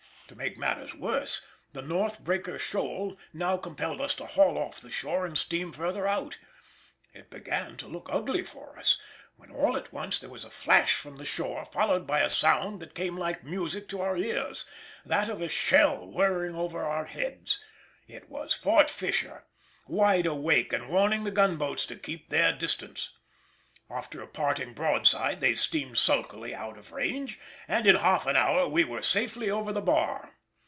To make matters worse, the North Breaker shoal now compelled us to haul off the shore and steam further out. It began to look ugly for us, when all at once there was a flash from the shore followed by a sound that came like music to our ears—that of a shell whirring over our heads. It was Fort Fisher, wide awake and warning the gunboats to keep their distance. With a parting broadside they steamed sulkily out of range, and in half an hour we were safely over the bar.